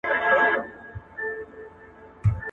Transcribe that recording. آیا د ټولنیزو روابطو پیاوړتیا د علم له لاري ممکنه ده؟